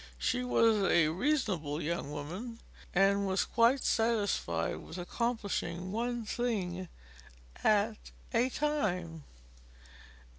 She was a reasonable young woman, and was quite satisfied with accomplishing one thing at a time.